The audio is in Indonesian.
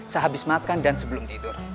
sehabis makan dan sebelum tidur